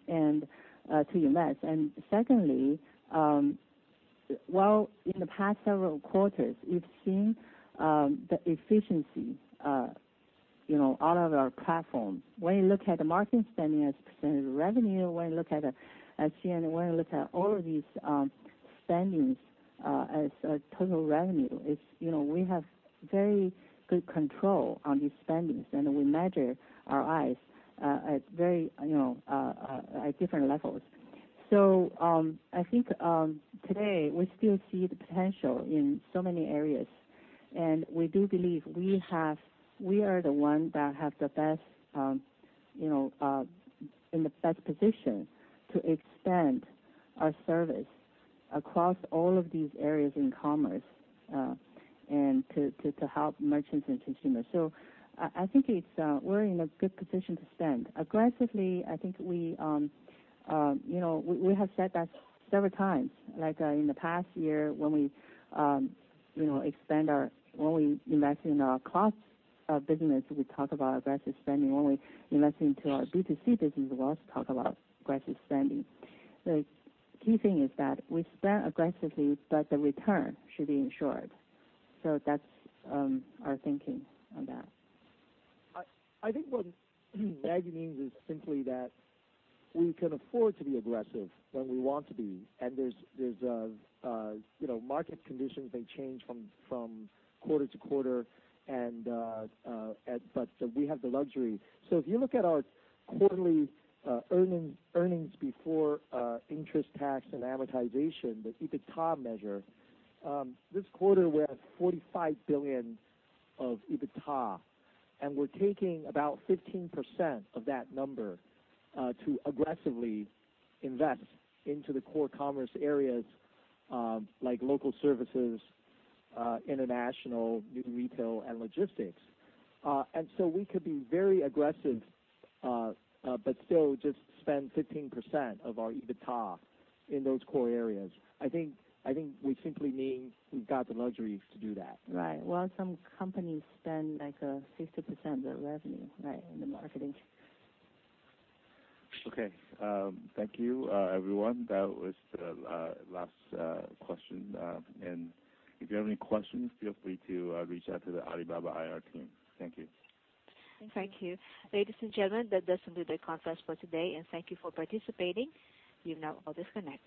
invest. Secondly, while in the past several quarters, we've seen the efficiency out of our platforms. When you look at the marketing spending as a % of revenue, when you look at, [inaudible] when you look at all of these spendings as a total revenue, we have very good control on these spendings, and we measure our eyes at different levels. I think today we still see the potential in so many areas, and we do believe we are the one that have the best position to expand our service across all of these areas in commerce, and to help merchants and consumers. I think we're in a good position to spend. Aggressively, I think we have said that several times. Like in the past year when we invested in our cloud business, we talk about aggressive spending. When we invest into our B2C business, we also talk about aggressive spending. The key thing is that we spend aggressively, but the return should be ensured. That's our thinking on that. I think what Maggie means is simply that we can afford to be aggressive when we want to be. There's market conditions may change from quarter to quarter, but we have the luxury. If you look at our quarterly earnings before interest, tax and amortization, the EBITDA measure. This quarter, we're at 45 billion of EBITDA, we're taking about 15% of that number to aggressively invest into the core commerce areas like local services, international, new retail, and logistics. We could be very aggressive, but still just spend 15% of our EBITDA in those core areas. I think we simply mean we've got the luxury to do that. Right. While some companies spend like 50% of their revenue, right, in the marketing. Okay. Thank you, everyone. That was the last question. If you have any questions, feel free to reach out to the Alibaba IR team. Thank you. Thank you. Ladies and gentlemen, that does end the conference for today, and thank you for participating. You now all disconnect.